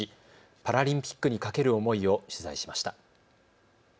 パラリンピックにかける思いを取材しました。